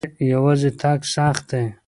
یوازې تګ سخت دی.